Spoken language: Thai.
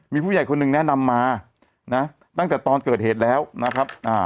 มีผู้ใหญ่คนหนึ่งแนะนำมานะตั้งแต่ตอนเกิดเหตุแล้วนะครับอ่า